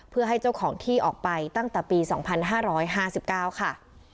เพื่อให้เจ้าของที่ออกไปตั้งแต่ปีสองพันห้าร้อยห้าสิบเก้าค่ะ